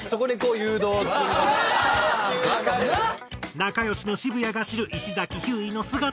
仲良しの渋谷が知る石崎ひゅーいの姿とは？